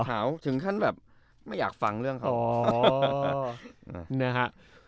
หาวถึงท่านแบบไม่อยากฟังเรื่องเขา